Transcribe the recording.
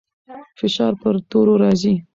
فشار پر تورو راځي.